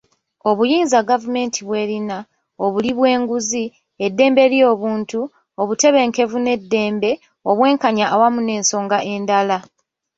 Obuyinza gavumenti bw'erina, obuli bw'enguzi, eddembe ly'obuntu, obutebenkevu n'eddembe, obwenkanya awamu n'ensonga endala.